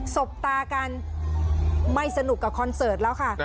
บตากันไม่สนุกกับคอนเสิร์ตแล้วค่ะ